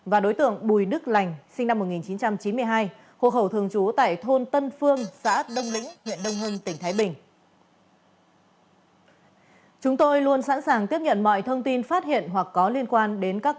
và đối tượng bùi đức lành sinh năm một nghìn chín trăm chín mươi hai hộ khẩu thường trú tại thôn tân phương xã đông lĩnh huyện đông hưng tỉnh thái bình